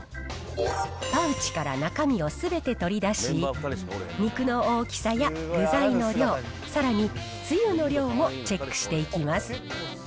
パウチから中身をすべて取り出し、肉の大きさや具材の量、さらにつゆの量もチェックしていきます。